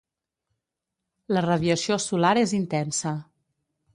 La radiació solar és intensa.